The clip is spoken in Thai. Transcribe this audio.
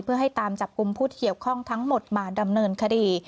เพื่อให้ตามจับกลุ่มผู้เกี่ยวข้องทั้งหมดมาดำเนินคดี